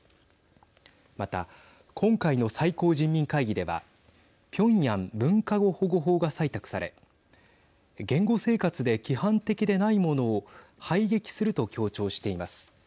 また、今回の最高人民会議ではピョンヤン文化語保護法が採択され言語生活で規範的でないものを排撃すると強調しています。